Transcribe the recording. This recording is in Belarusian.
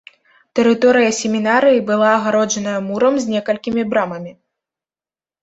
Тэрыторыя семінарыі была агароджаная мурам з некалькімі брамамі.